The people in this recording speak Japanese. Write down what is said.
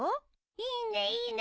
いいねいいね